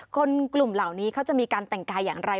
คนกลุ่มเหล่านี้เขาจะมีการแต่งกายอย่างไร